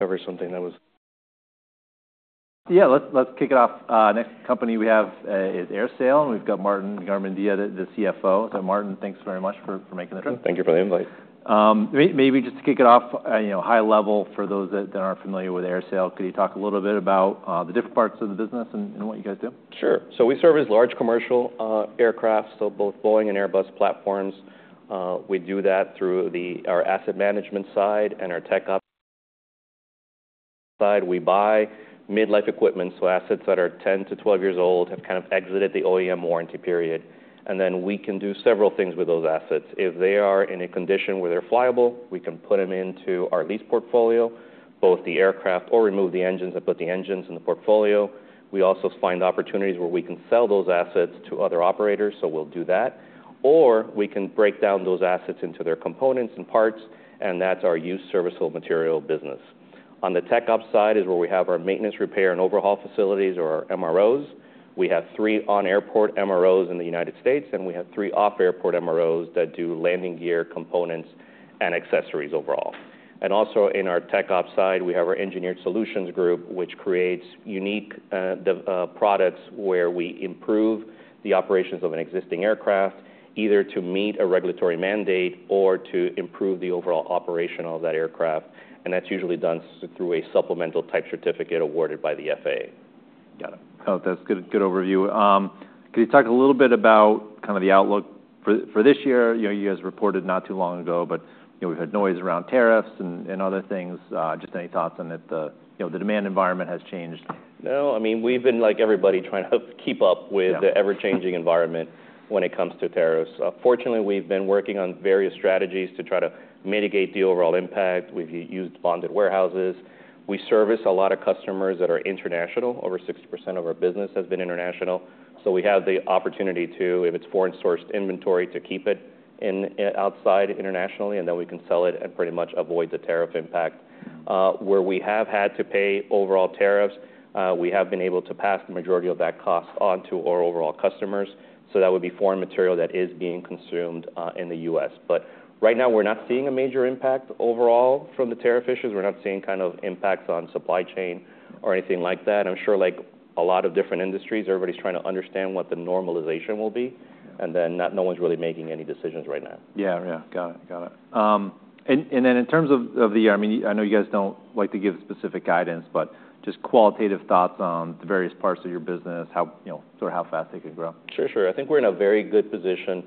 Cover something that was. Yeah. Let's kick it off. Next company we have is AerSale, and we've got Martin Garmendia, the CFO. So Martin, thanks very much for making the time. Thank you for the invite. Maybe just to kick it off, high level for those that aren't familiar with AerSale, could you talk a little bit about the different parts of the business and what you guys do? Sure. We service large commercial aircraft, so both Boeing and Airbus platforms. We do that through our asset management side and our tech side. We buy mid-life equipment, so assets that are 10 to 12 years old have kind of exited the OEM warranty period. Then we can do several things with those assets. If they are in a condition where they're flyable, we can put them into our lease portfolio, both the aircraft or remove the engines and put the engines in the portfolio. We also find opportunities where we can sell those assets to other operators, so we'll do that. Or we can break down those assets into their components and parts, and that's our used serviceable material business. On the Tech Ops side is where we have our maintenance, repair, and overhaul facilities, or our MROs. We have three on-airport MROs in the United States, and we have three off-airport MROs that do landing gear components and accessories overall. Also in our Tech Ops side, we have our engineered solutions group, which creates unique products where we improve the operations of an existing aircraft, either to meet a regulatory mandate or to improve the overall operation of that aircraft. That's usually done through a supplemental type certificate awarded by the FAA. Got it. That's a good overview. Could you talk a little bit about kind of the outlook for this year? You guys reported not too long ago, but we've had noise around tariffs and other things. Just any thoughts on that, the demand environment has changed? No. I mean, we've been like everybody trying to keep up with the ever-changing environment when it comes to tariffs. Fortunately, we've been working on various strategies to try to mitigate the overall impact. We've used bonded warehouses. We service a lot of customers that are international. Over 60% of our business has been international. We have the opportunity to, if it's foreign-sourced inventory, to keep it outside internationally, and then we can sell it and pretty much avoid the tariff impact. Where we have had to pay overall tariffs, we have been able to pass the majority of that cost onto our overall customers. That would be foreign material that is being consumed in the U.S. Right now, we're not seeing a major impact overall from the tariff issues. We're not seeing kind of impacts on supply chain or anything like that. I'm sure like a lot of different industries, everybody's trying to understand what the normalization will be, and then no one's really making any decisions right now. Yeah. Got it. And then in terms of the year, I mean, I know you guys do not like to give specific guidance, but just qualitative thoughts on the various parts of your business, sort of how fast they can grow. Sure. Sure. I think we're in a very good position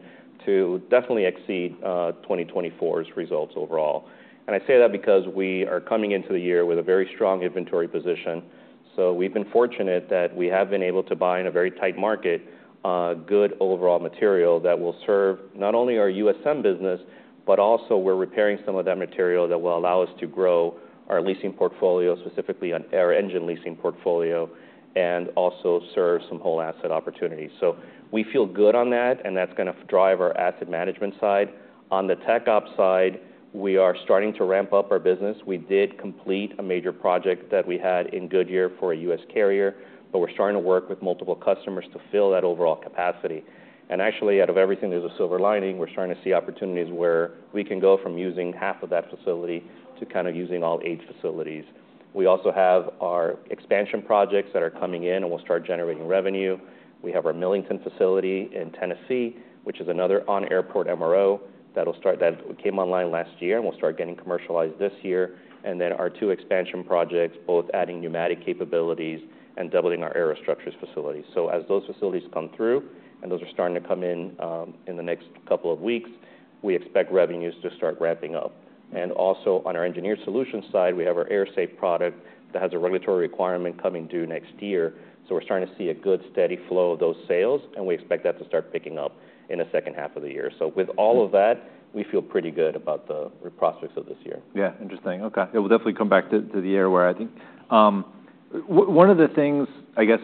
to definitely exceed 2024's results overall. I say that because we are coming into the year with a very strong inventory position. We've been fortunate that we have been able to buy in a very tight market good overall material that will serve not only our USM Business, but also we're repairing some of that material that will allow us to grow our leasing portfolio, specifically our engine leasing portfolio, and also serve some whole asset opportunities. We feel good on that, and that's going to drive our asset management side. On the tech op side, we are starting to ramp up our business. We did complete a major project that we had in Goodyear for a U.S. carrier, but we're starting to work with multiple customers to fill that overall capacity. Actually, out of everything, there's a silver lining. We're starting to see opportunities where we can go from using half of that facility to kind of using all eight facilities. We also have our expansion projects that are coming in, and we'll start generating revenue. We have our Millington facility in Tennessee, which is another on-airport MRO that came online last year and will start getting commercialized this year. Our two expansion projects, both adding pneumatic capabilities and doubling our aero structures facility. As those facilities come through, and those are starting to come in in the next couple of weeks, we expect revenues to start ramping up. Also on our engineered solutions side, we have our AerSale product that has a regulatory requirement coming due next year. We're starting to see a good steady flow of those sales, and we expect that to start picking up in the second half of the year. With all of that, we feel pretty good about the prospects of this year. Yeah. Interesting. Okay. It will definitely come back to the year where I think. One of the things I guess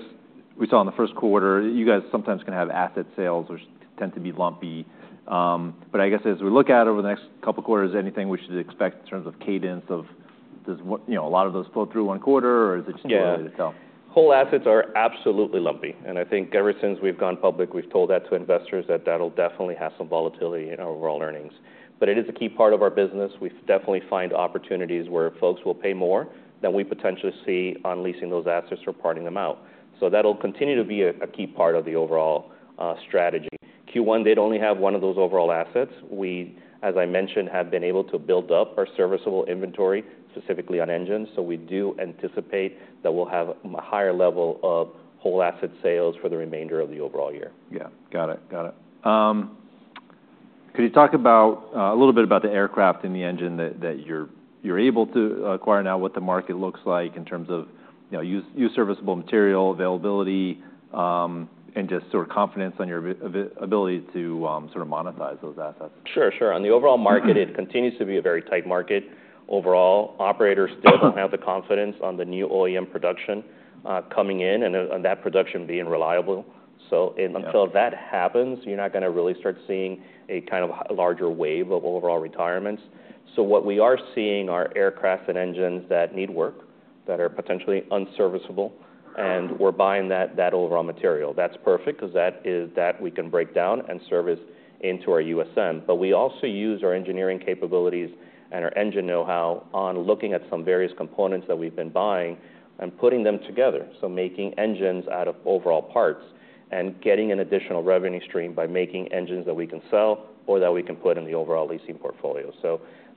we saw in the first quarter, you guys sometimes can have asset sales which tend to be lumpy. I guess as we look at over the next couple of quarters, anything we should expect in terms of cadence of does a lot of those flow through one quarter, or is it just going to let itself? Yeah. Whole assets are absolutely lumpy. I think ever since we've gone public, we've told that to investors that that'll definitely have some volatility in our overall earnings. It is a key part of our business. We definitely find opportunities where folks will pay more than we potentially see on leasing those assets or parting them out. That'll continue to be a key part of the overall strategy. Q1, they'd only have one of those overall assets. We, as I mentioned, have been able to build up our serviceable inventory, specifically on engines. We do anticipate that we'll have a higher level of whole asset sales for the remainder of the overall year. Yeah. Got it. Got it. Could you talk a little bit about the aircraft and the engine that you're able to acquire now, what the market looks like in terms of used serviceable material availability, and just sort of confidence on your ability to sort of monetize those assets? Sure. Sure. On the overall market, it continues to be a very tight market overall. Operators still don't have the confidence on the new OEM production coming in and that production being reliable. Until that happens, you're not going to really start seeing a kind of larger wave of overall retirements. What we are seeing are aircraft and engines that need work, that are potentially unserviceable, and we're buying that overall material. That's perfect because that we can break down and service into our USM. We also use our engineering capabilities and our engine know-how on looking at some various components that we've been buying and putting them together. Making engines out of overall parts and getting an additional revenue stream by making engines that we can sell or that we can put in the overall leasing portfolio.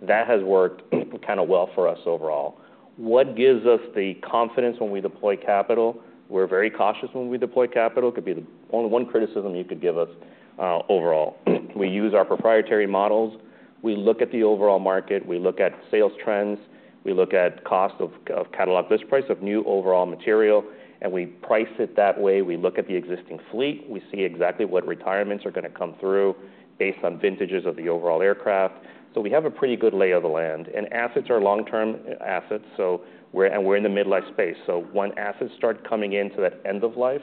That has worked kind of well for us overall. What gives us the confidence when we deploy capital? We're very cautious when we deploy capital. It could be the only one criticism you could give us overall. We use our proprietary models. We look at the overall market. We look at sales trends. We look at cost of catalog list price of new overall material, and we price it that way. We look at the existing fleet. We see exactly what retirements are going to come through based on vintages of the overall aircraft. We have a pretty good lay of the land. Assets are long-term assets, and we're in the mid-life space. When assets start coming into that end of life,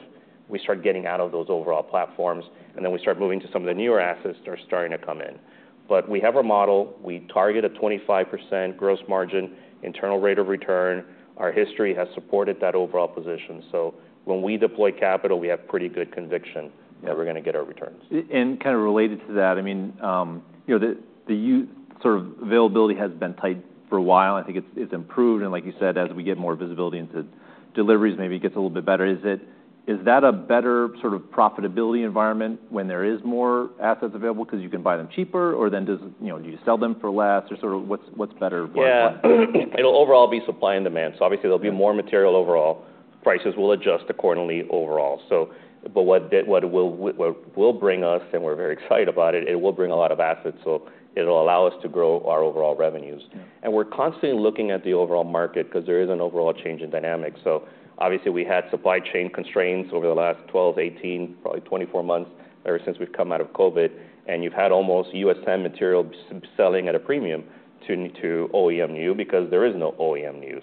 we start getting out of those overall platforms, and then we start moving to some of the newer assets that are starting to come in. We have our model. We target a 25% gross margin, internal rate of return. Our history has supported that overall position. When we deploy capital, we have pretty good conviction that we're going to get our returns. Kind of related to that, I mean, the sort of availability has been tight for a while. I think it's improved. Like you said, as we get more visibility into deliveries, maybe it gets a little bit better. Is that a better sort of profitability environment when there are more assets available because you can buy them cheaper, or then do you sell them for less? What's better? Yeah. It'll overall be supply and demand. Obviously, there'll be more material overall. Prices will adjust accordingly overall. What it will bring us, and we're very excited about it, it will bring a lot of assets. It'll allow us to grow our overall revenues. We're constantly looking at the overall market because there is an overall change in dynamics. Obviously, we had supply chain constraints over the last 12, 18, probably 24 months ever since we've come out of COVID. You've had almost USM material selling at a premium to OEM new because there is no OEM new.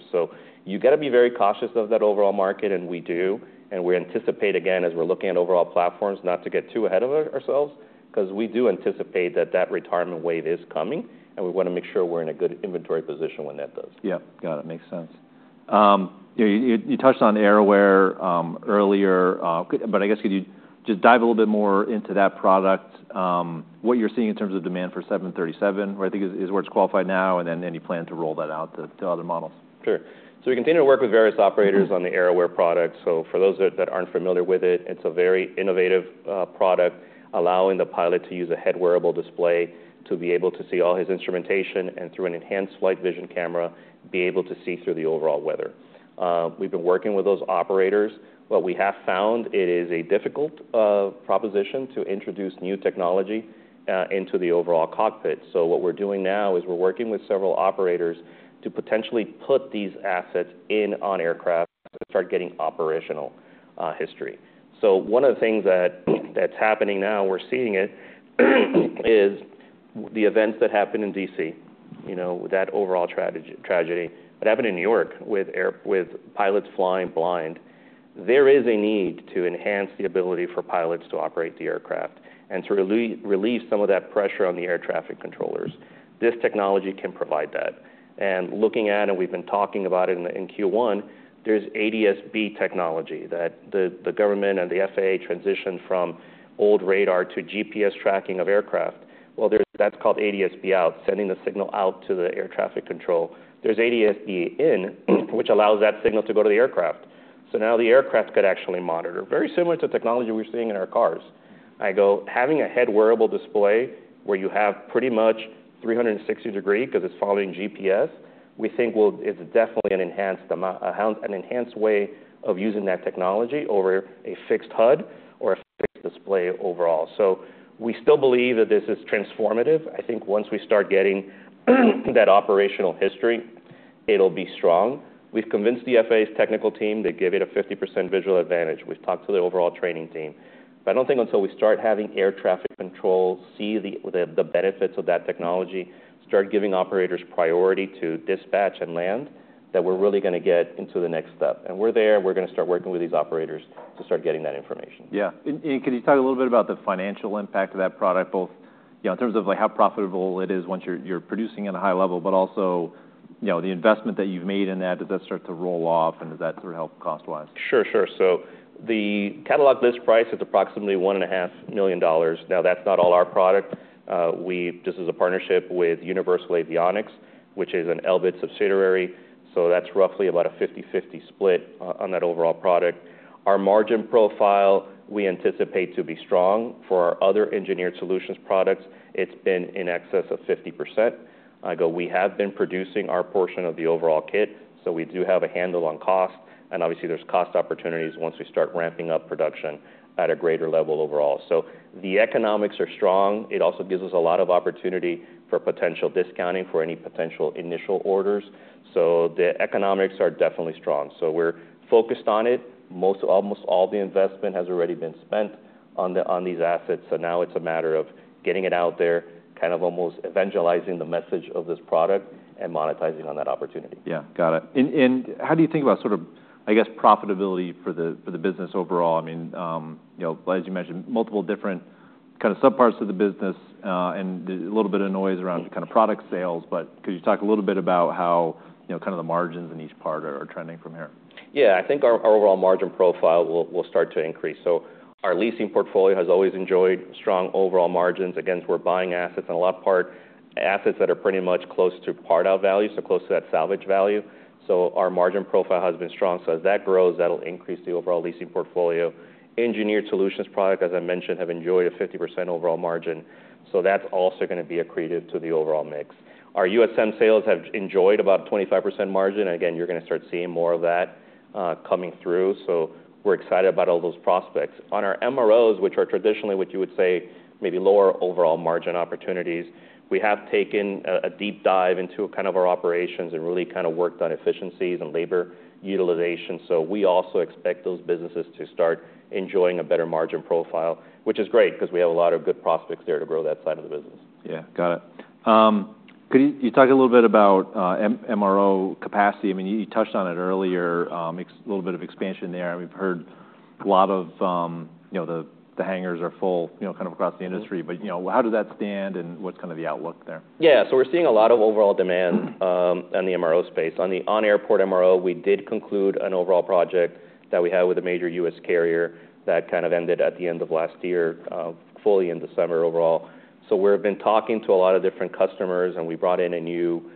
You got to be very cautious of that overall market, and we do. We anticipate, again, as we're looking at overall platforms, not to get too ahead of ourselves because we do anticipate that that retirement wave is coming, and we want to make sure we're in a good inventory position when that does. Yeah. Got it. Makes sense. You touched on AirWare earlier, but I guess could you just dive a little bit more into that product? What you're seeing in terms of demand for 737, I think, is where it's qualified now, and then any plan to roll that out to other models? Sure. We continue to work with various operators on the Airware product. For those that aren't familiar with it, it's a very innovative product, allowing the pilot to use a head-wearable display to be able to see all his instrumentation and, through an enhanced flight vision camera, be able to see through the overall weather. We've been working with those operators, but we have found it is a difficult proposition to introduce new technology into the overall cockpit. What we're doing now is we're working with several operators to potentially put these assets in on aircraft to start getting operational history. One of the things that's happening now, we're seeing it, is the events that happened in Washington, DC, that overall tragedy. What happened in New York with pilots flying blind, there is a need to enhance the ability for pilots to operate the aircraft and to relieve some of that pressure on the air traffic controllers. This technology can provide that. Looking at, and we've been talking about it in Q1, there's ADS-B technology that the government and the FAA transitioned from old radar to GPS tracking of aircraft. That's called ADS-B out, sending the signal out to the air traffic control. There's ADS-B in, which allows that signal to go to the aircraft. Now the aircraft could actually monitor, very similar to technology we're seeing in our cars. I go, having a head-wearable display where you have pretty much 360-degree because it's following GPS, we think it's definitely an enhanced way of using that technology over a fixed HUD or a fixed display overall. We still believe that this is transformative. I think once we start getting that operational history, it'll be strong. We've convinced the FAA's technical team to give it a 50% visual advantage. We've talked to the overall training team. I don't think until we start having air traffic control see the benefits of that technology, start giving operators priority to dispatch and land, that we're really going to get into the next step. We're there. We're going to start working with these operators to start getting that information. Yeah. Can you talk a little bit about the financial impact of that product, both in terms of how profitable it is once you're producing at a high level, but also the investment that you've made in that? Does that start to roll off, and does that sort of help cost-wise? Sure. Sure. So the catalog list price is approximately $1.5 million. Now, that's not all our product. Just as a partnership with Universal Avionics, which is an Elbit subsidiary. So that's roughly about a 50, 50 split on that overall product. Our margin profile, we anticipate to be strong. For our other engineered solutions products, it's been in excess of 50%. I go, we have been producing our portion of the overall kit. So we do have a handle on cost. And obviously, there's cost opportunities once we start ramping up production at a greater level overall. The economics are strong. It also gives us a lot of opportunity for potential discounting for any potential initial orders. The economics are definitely strong. We're focused on it. Almost all the investment has already been spent on these assets. Now it's a matter of getting it out there, kind of almost evangelizing the message of this product and monetizing on that opportunity. Yeah. Got it. And how do you think about sort of, I guess, profitability for the business overall? I mean, as you mentioned, multiple different kind of subparts of the business and a little bit of noise around kind of product sales. But could you talk a little bit about how kind of the margins in each part are trending from here? Yeah. I think our overall margin profile will start to increase. Our leasing portfolio has always enjoyed strong overall margins. Again, we're buying assets in a lot of part assets that are pretty much close to pared-out value, so close to that salvage value. Our margin profile has been strong. As that grows, that'll increase the overall leasing portfolio. Engineered solutions product, as I mentioned, have enjoyed a 50% overall margin. That's also going to be accretive to the overall mix. Our USM sales have enjoyed about a 25% margin. Again, you're going to start seeing more of that coming through. We're excited about all those prospects. On our MROs, which are traditionally what you would say maybe lower overall margin opportunities, we have taken a deep dive into kind of our operations and really kind of worked on efficiencies and labor utilization. We also expect those businesses to start enjoying a better margin profile, which is great because we have a lot of good prospects there to grow that side of the business. Yeah. Got it. Could you talk a little bit about MRO capacity? I mean, you touched on it earlier, a little bit of expansion there. We've heard a lot of the hangars are full kind of across the industry. How does that stand, and what's kind of the outlook there? Yeah. We're seeing a lot of overall demand in the MRO space. On the on-airport MRO, we did conclude an overall project that we had with a major U.S. carrier that ended at the end of last year, fully in December. We've been talking to a lot of different customers, and we brought in a new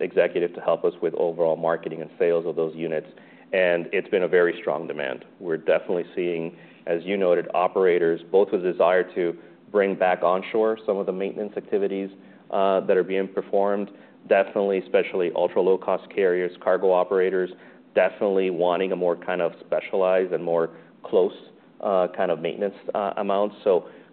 executive to help us with overall marketing and sales of those units. It's been a very strong demand. We're definitely seeing, as you noted, operators both with a desire to bring back onshore some of the maintenance activities that are being performed. Definitely, especially ultra-low-cost carriers, cargo operators, wanting a more specialized and more close kind of maintenance amount.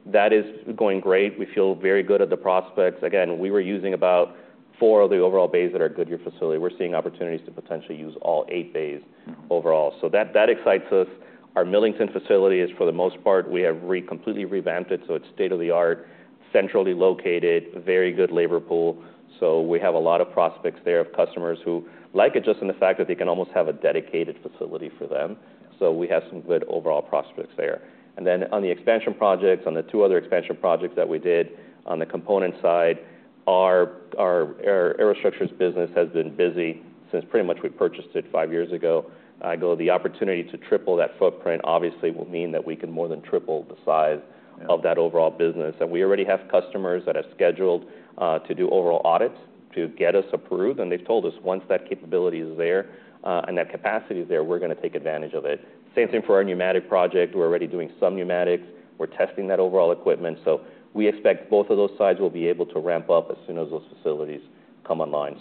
That is going great. We feel very good at the prospects. Again, we were using about four of the overall bays that are good at your facility. We're seeing opportunities to potentially use all eight bays overall. That excites us. Our Millington facility is, for the most part, we have completely revamped it. It is state-of-the-art, centrally located, very good labor pool. We have a lot of prospects there of customers who like it just in the fact that they can almost have a dedicated facility for them. We have some good overall prospects there. On the expansion projects, on the two other expansion projects that we did on the component side, our air structures business has been busy since pretty much we purchased it five years ago. The opportunity to triple that footprint obviously will mean that we can more than triple the size of that overall business. We already have customers that have scheduled to do overall audits to get us approved. They have told us once that capability is there and that capacity is there, we're going to take advantage of it. Same thing for our pneumatic project. We're already doing some pneumatics. We're testing that overall equipment. We expect both of those sides will be able to ramp up as soon as those facilities come online.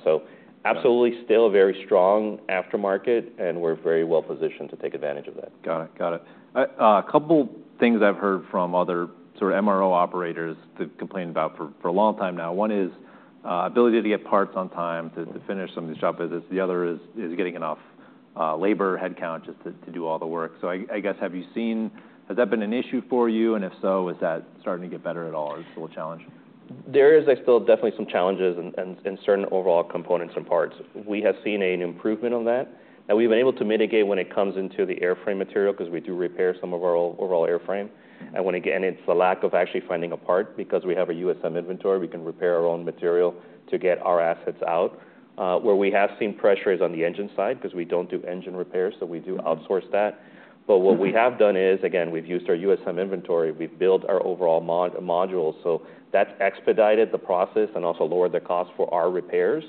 Absolutely still a very strong aftermarket, and we're very well positioned to take advantage of that. Got it. Got it. A couple of things I've heard from other sort of MRO operators to complain about for a long time now. One is ability to get parts on time to finish some of these job visits. The other is getting enough labor headcount just to do all the work. I guess, have you seen has that been an issue for you? If so, is that starting to get better at all? Is it still a challenge? There is still definitely some challenges in certain overall components and parts. We have seen an improvement on that. We have been able to mitigate when it comes into the airframe material because we do repair some of our overall airframe. Again, it is the lack of actually finding a part because we have a USM inventory. We can repair our own material to get our assets out. Where we have seen pressure is on the engine side because we do not do engine repairs, so we do outsource that. What we have done is, again, we have used our USM inventory. We have built our overall modules. That has expedited the process and also lowered the cost for our repairs.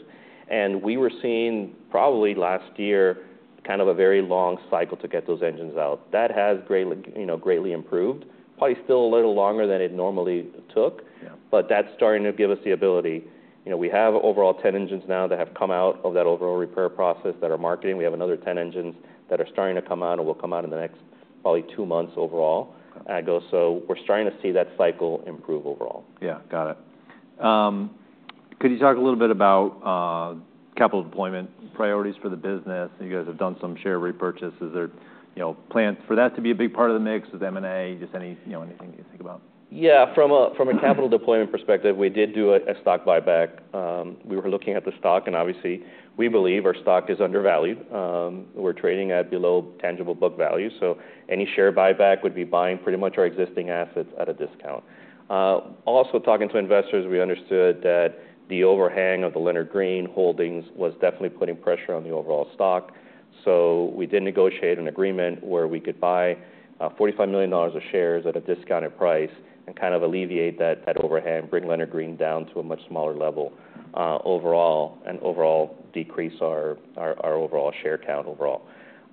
We were seeing probably last year kind of a very long cycle to get those engines out. That has greatly improved, probably still a little longer than it normally took. That's starting to give us the ability. We have overall 10 engines now that have come out of that overall repair process that are marketing. We have another 10 engines that are starting to come out, and will come out in the next probably two months overall. I go, so we're starting to see that cycle improve overall. Yeah. Got it. Could you talk a little bit about capital deployment priorities for the business? You guys have done some share repurchases. Is there a plan for that to be a big part of the mix with M&A? Just anything you think about? Yeah. From a capital deployment perspective, we did do a stock buyback. We were looking at the stock, and obviously, we believe our stock is undervalued. We're trading at below tangible book value. Any share buyback would be buying pretty much our existing assets at a discount. Also talking to investors, we understood that the overhang of the Leonard Green Holdings was definitely putting pressure on the overall stock. We did negotiate an agreement where we could buy $45 million of shares at a discounted price and kind of alleviate that overhang, bring Leonard Green down to a much smaller level overall, and overall decrease our overall share count overall.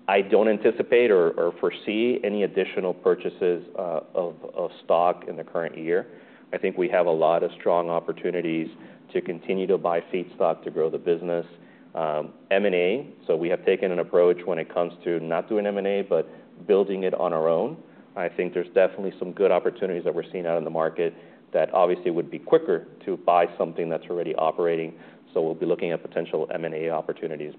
I don't anticipate or foresee any additional purchases of stock in the current year. I think we have a lot of strong opportunities to continue to buy feedstock to grow the business. M&A, so we have taken an approach when it comes to not doing M&A, but building it on our own. I think there's definitely some good opportunities that we're seeing out in the market that obviously would be quicker to buy something that's already operating. We'll be looking at potential M&A opportunities.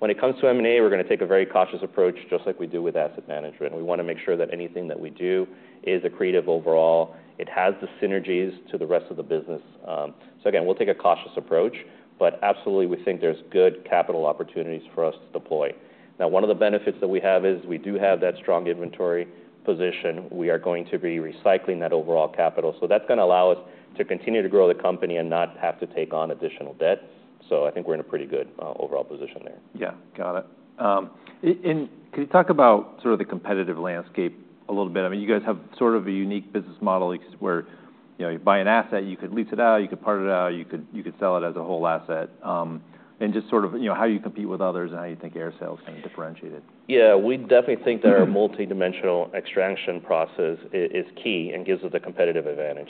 When it comes to M&A, we're going to take a very cautious approach, just like we do with asset management. We want to make sure that anything that we do is accretive overall. It has the synergies to the rest of the business. Again, we'll take a cautious approach, but absolutely, we think there's good capital opportunities for us to deploy. Now, one of the benefits that we have is we do have that strong inventory position. We are going to be recycling that overall capital. That's going to allow us to continue to grow the company and not have to take on additional debt. I think we're in a pretty good overall position there. Yeah. Got it. Could you talk about sort of the competitive landscape a little bit? I mean, you guys have sort of a unique business model where you buy an asset, you could lease it out, you could part it out, you could sell it as a whole asset. Just sort of how you compete with others and how you think AerSale can differentiate it. Yeah. We definitely think that our multidimensional extraction process is key and gives us a competitive advantage.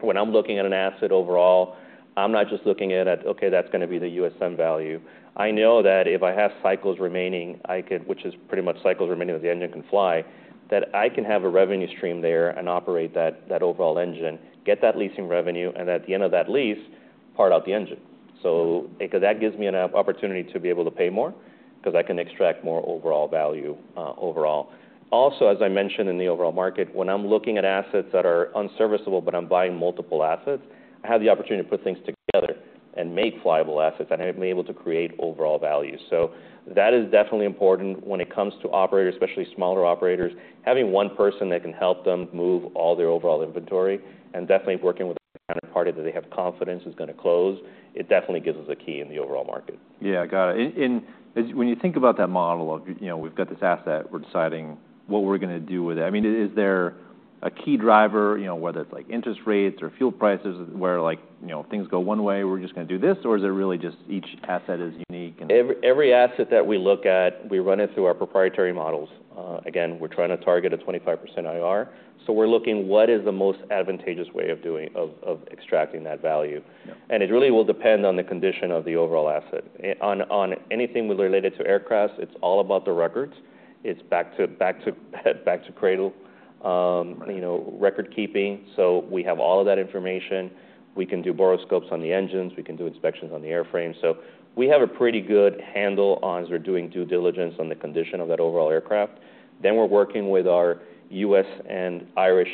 When I'm looking at an asset overall, I'm not just looking at, okay, that's going to be the USM value. I know that if I have cycles remaining, which is pretty much cycles remaining as the engine can fly, that I can have a revenue stream there and operate that overall engine, get that leasing revenue, and at the end of that lease, part out the engine. That gives me an opportunity to be able to pay more because I can extract more overall value. Also, as I mentioned in the overall market, when I'm looking at assets that are unserviceable, but I'm buying multiple assets, I have the opportunity to put things together and make flyable assets and be able to create overall value. That is definitely important when it comes to operators, especially smaller operators, having one person that can help them move all their overall inventory and definitely working with a counterparty that they have confidence is going to close. It definitely gives us a key in the overall market. Yeah. Got it. When you think about that model of we've got this asset, we're deciding what we're going to do with it. I mean, is there a key driver, whether it's like interest rates or fuel prices, where things go one way, we're just going to do this? Or is it really just each asset is unique? Every asset that we look at, we run it through our proprietary models. Again, we're trying to target a 25% IR. We are looking at what is the most advantageous way of extracting that value. It really will depend on the condition of the overall asset. On anything related to aircraft, it's all about the records. It's back to cradle record keeping. We have all of that information. We can do boroscopes on the engines. We can do inspections on the airframe. We have a pretty good handle on, as we're doing due diligence, the condition of that overall aircraft. We are working with our US and Irish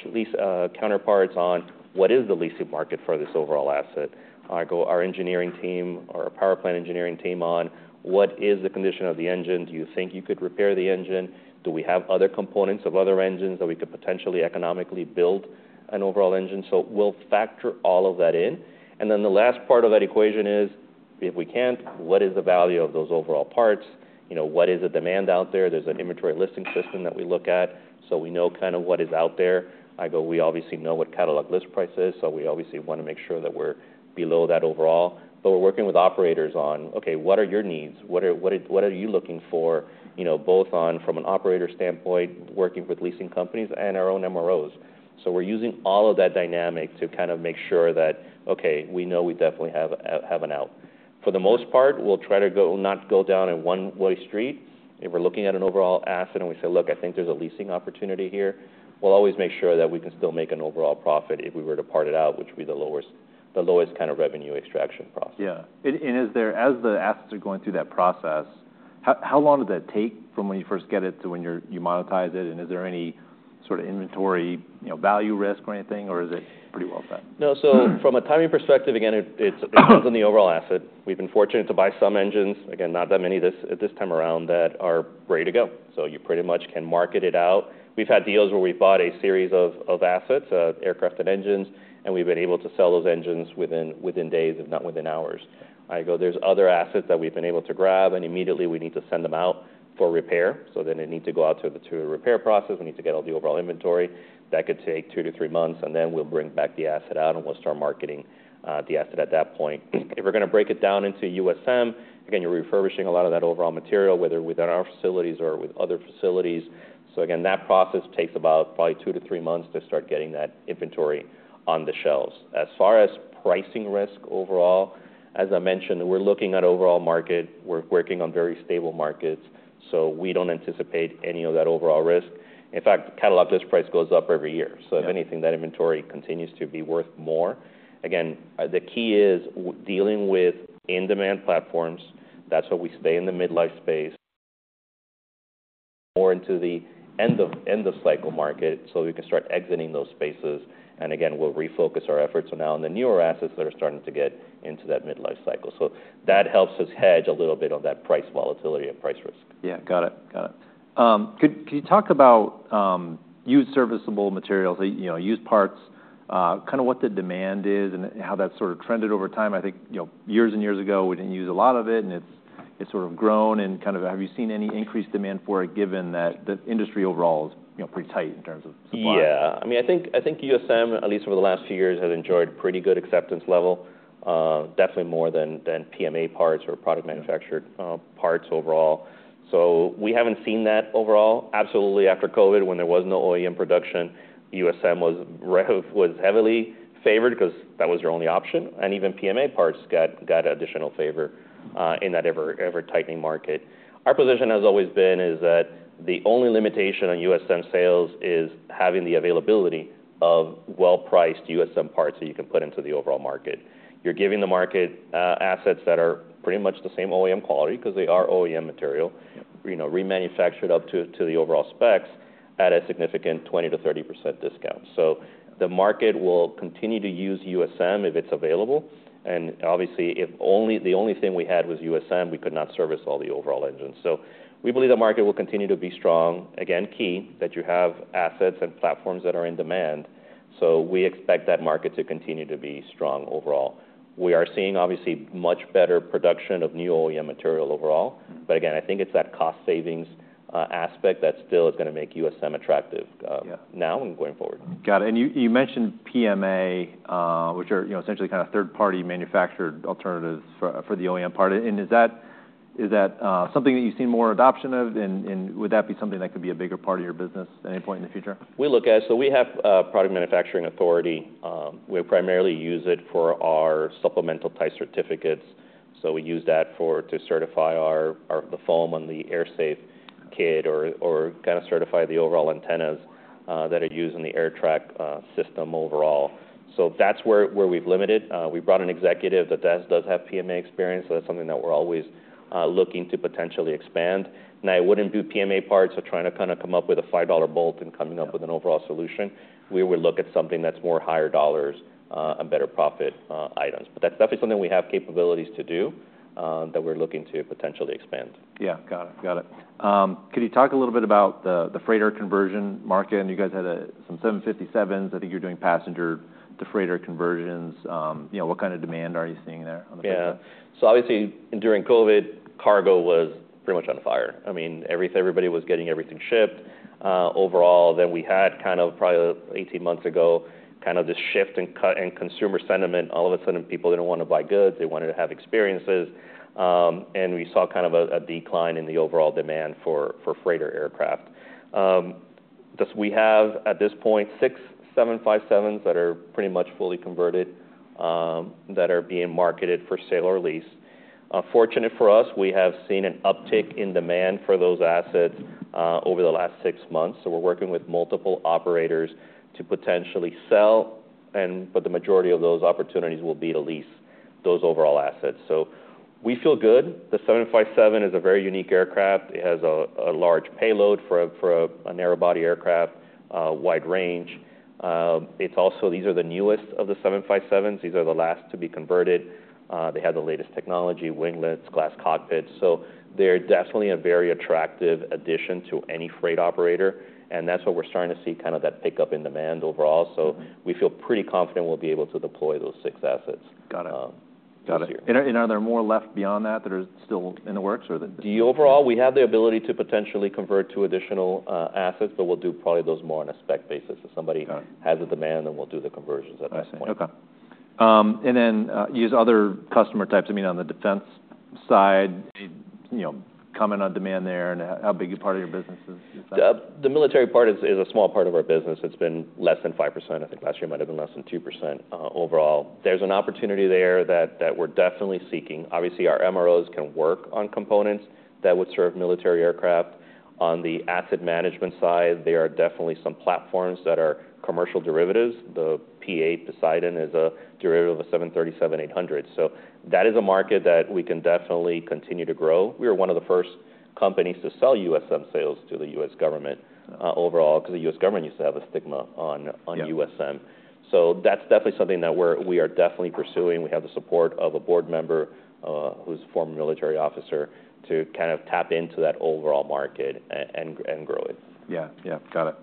counterparts on what is the leasing market for this overall asset. I go, our engineering team or our power plant engineering team, on what is the condition of the engine? Do you think you could repair the engine? Do we have other components of other engines that we could potentially economically build an overall engine? We will factor all of that in. The last part of that equation is, if we cannot, what is the value of those overall parts? What is the demand out there? There is an inventory listing system that we look at. We know kind of what is out there. I go, we obviously know what catalog list price is. We obviously want to make sure that we are below that overall. We are working with operators on, okay, what are your needs? What are you looking for both from an operator standpoint, working with leasing companies and our own MROs? We are using all of that dynamic to kind of make sure that, okay, we know we definitely have an out. For the most part, we'll try to not go down a one-way street. If we're looking at an overall asset and we say, look, I think there's a leasing opportunity here, we'll always make sure that we can still make an overall profit if we were to part it out, which would be the lowest kind of revenue extraction process. Yeah. And as the assets are going through that process, how long does that take from when you first get it to when you monetize it? Is there any sort of inventory value risk or anything, or is it pretty well set? No. From a timing perspective, again, it depends on the overall asset. We've been fortunate to buy some engines, again, not that many at this time around, that are ready to go. You pretty much can market it out. We've had deals where we've bought a series of assets, aircraft and engines, and we've been able to sell those engines within days, if not within hours. There's other assets that we've been able to grab, and immediately we need to send them out for repair. It needs to go out to the repair process. We need to get all the overall inventory. That could take two to three months. Then we'll bring back the asset out, and we'll start marketing the asset at that point. If we're going to break it down into USM, again, you're refurbishing a lot of that overall material, whether within our facilities or with other facilities. Again, that process takes about probably two to three months to start getting that inventory on the shelves. As far as pricing risk overall, as I mentioned, we're looking at overall market. We're working on very stable markets. We don't anticipate any of that overall risk. In fact, catalog list price goes up every year. If anything, that inventory continues to be worth more. Again, the key is dealing with in-demand platforms. That's why we stay in the mid-life space more into the end-of-cycle market so we can start exiting those spaces. Again, we'll refocus our efforts now on the newer assets that are starting to get into that mid-life cycle. That helps us hedge a little bit of that price volatility and price risk. Yeah. Got it. Got it. Could you talk about used serviceable materials, used parts, kind of what the demand is and how that's sort of trended over time? I think years and years ago, we didn't use a lot of it, and it's sort of grown. Have you seen any increased demand for it given that the industry overall is pretty tight in terms of supply? Yeah. I mean, I think USM, at least over the last few years, has enjoyed pretty good acceptance level, definitely more than PMA parts or product manufactured parts overall. We haven't seen that overall. Absolutely, after COVID, when there was no OEM production, USM was heavily favored because that was your only option. Even PMA parts got additional favor in that ever-tightening market. Our position has always been that the only limitation on USM sales is having the availability of well-priced USM parts that you can put into the overall market. You're giving the market assets that are pretty much the same OEM quality because they are OEM material, remanufactured up to the overall specs at a significant 20%-30% discount. The market will continue to use USM if it's available. Obviously, if the only thing we had was USM, we could not service all the overall engines. We believe the market will continue to be strong. Key that you have assets and platforms that are in demand. We expect that market to continue to be strong overall. We are seeing, obviously, much better production of new OEM material overall. I think it's that cost savings aspect that still is going to make USM attractive now and going forward. Got it. You mentioned PMA, which are essentially kind of third-party manufactured alternatives for the OEM part. Is that something that you've seen more adoption of? Would that be something that could be a bigger part of your business at any point in the future? We look at it. We have product manufacturing authority. We primarily use it for our supplemental type certificates. We use that to certify the foam on the AerSafe kit or certify the overall antennas that are used in the AerTrak system overall. That is where we have limited it. We brought an executive that does have PMA experience. That is something that we are always looking to potentially expand. Now, I would not do PMA parts or try to come up with a $5 bolt and come up with an overall solution. We would look at something that is more higher dollars and better profit items. That is definitely something we have capabilities to do that we are looking to potentially expand. Yeah. Got it. Got it. Could you talk a little bit about the freighter conversion market? And you guys had some 757s. I think you're doing passenger to freighter conversions. What kind of demand are you seeing there on the freighter? Yeah. So obviously, during COVID, cargo was pretty much on fire. I mean, everybody was getting everything shipped. Overall, then we had kind of probably 18 months ago kind of this shift in consumer sentiment. All of a sudden, people did not want to buy goods. They wanted to have experiences. We saw kind of a decline in the overall demand for freighter aircraft. We have at this point six 757s that are pretty much fully converted that are being marketed for sale or lease. Fortunate for us, we have seen an uptick in demand for those assets over the last six months. We are working with multiple operators to potentially sell. The majority of those opportunities will be to lease those overall assets. We feel good. The 757 is a very unique aircraft. It has a large payload for a narrow-body aircraft, wide range. These are the newest of the 757s. These are the last to be converted. They have the latest technology, winglets, glass cockpits. They are definitely a very attractive addition to any freight operator. That is what we are starting to see, kind of that pickup in demand overall. We feel pretty confident we will be able to deploy those six assets next year. Got it. Got it. Are there more left beyond that that are still in the works or? Overall, we have the ability to potentially convert to additional assets, but we'll do probably those more on a spec basis. If somebody has a demand, then we'll do the conversions at that point. Okay. And then you use other customer types. I mean, on the defense side, coming on demand there, and how big a part of your business is that? The military part is a small part of our business. It's been less than 5%. I think last year might have been less than 2% overall. There's an opportunity there that we're definitely seeking. Obviously, our MROs can work on components that would serve military aircraft. On the asset management side, there are definitely some platforms that are commercial derivatives. The P-8 Poseidon is a derivative of a 737-800. That is a market that we can definitely continue to grow. We were one of the first companies to sell USM sales to the U.S. government overall because the U.S. government used to have a stigma on USM. That's definitely something that we are definitely pursuing. We have the support of a board member who's a former military officer to kind of tap into that overall market and grow it. Yeah. Yeah. Got it.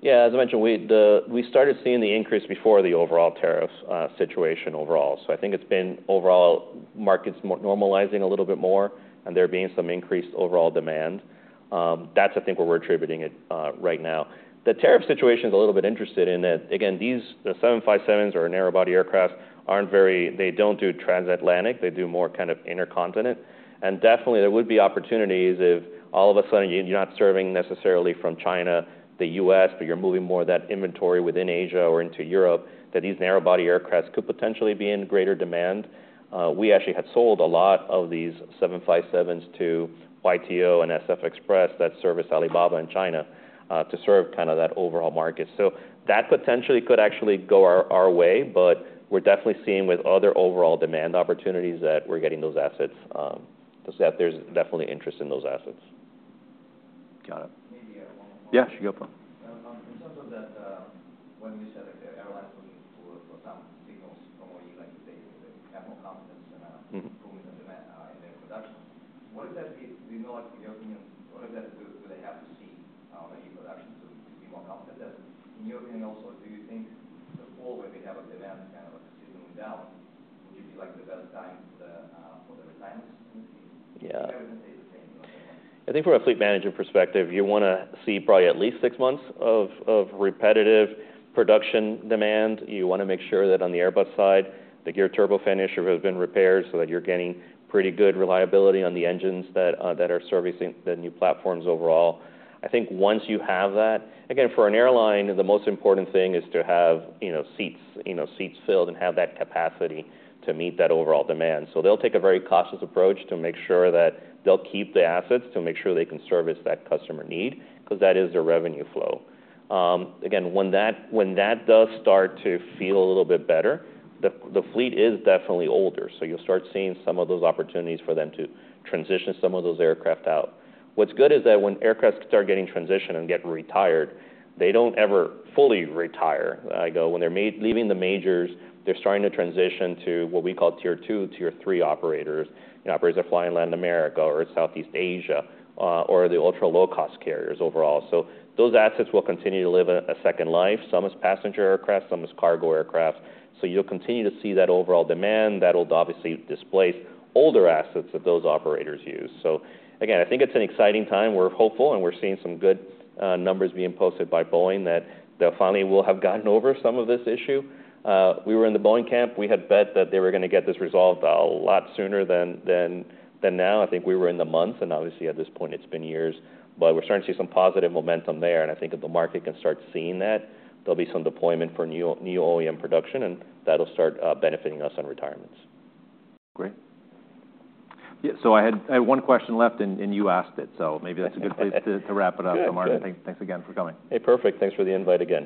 we see going through? Yeah. As I mentioned, we started seeing the increase before the overall tariff situation. I think it's been overall markets normalizing a little bit more, and there being some increased overall demand. That's, I think, where we're attributing it right now. The tariff situation is a little bit interesting in that, again, these 757s or narrowbody aircraft aren't very—they don't do transatlantic. They do more kind of intercontinent. There would be opportunities if all of a sudden you're not serving necessarily from China, the U.S., but you're moving more of that inventory within Asia or into Europe, that these narrow-body aircraft could potentially be in greater demand. We actually had sold a lot of these 757s to YTO and SF Express that service Alibaba in China to serve kind of that overall market. That potentially could actually go our way. We're definitely seeing with other overall demand opportunities that we're getting those assets. So there's definitely interest in those assets. Got it. Yeah. Shegoupo. In terms of that, when you said that airlines will need some signals from where you like to say they have more confidence in improving the demand in their production, what does that mean? Do you know, in your opinion, what does that do? Do they have to see the new production to be more confident? In your opinion also, do you think the fall where they have a demand kind of a season went down, would you be like the best time for the retirements in the field? Yeah. Everything stays the same? I think from a fleet manager perspective, you want to see probably at least six months of repetitive production demand. You want to make sure that on the Airbus side, that your turbofan issue has been repaired so that you're getting pretty good reliability on the engines that are servicing the new platforms overall. I think once you have that, again, for an airline, the most important thing is to have seats filled and have that capacity to meet that overall demand. They'll take a very cautious approach to make sure that they'll keep the assets to make sure they can service that customer need because that is their revenue flow. Again, when that does start to feel a little bit better, the fleet is definitely older. You'll start seeing some of those opportunities for them to transition some of those aircraft out. What's good is that when aircraft start getting transitioned and get retired, they don't ever fully retire. I go, when they're leaving the majors, they're starting to transition to what we call tier two, tier three operators, operators that fly in Latin America or Southeast Asia or the ultra low-cost carriers overall. Those assets will continue to live a second life, some as passenger aircraft, some as cargo aircraft. You'll continue to see that overall demand that will obviously displace older assets that those operators use. Again, I think it's an exciting time. We're hopeful, and we're seeing some good numbers being posted by Boeing that they'll finally have gotten over some of this issue. We were in the Boeing camp. We had bet that they were going to get this resolved a lot sooner than now. I think we were in the months, and obviously, at this point, it's been years. We're starting to see some positive momentum there. I think if the market can start seeing that, there'll be some deployment for new OEM production, and that'll start benefiting us on retirements. Great. I had one question left, and you asked it. Maybe that's a good place to wrap it up, Martin. Thanks again for coming. Hey, perfect. Thanks for the invite again.